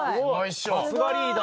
さすがリーダー！